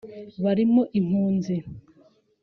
barimo impunzi